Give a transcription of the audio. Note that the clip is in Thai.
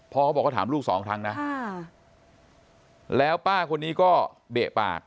เขาบอกว่าถามลูกสองครั้งนะแล้วป้าคนนี้ก็เบะปาก